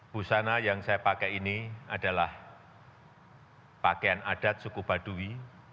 busana yang saya pakai ini adalah pakaian adat suku baduy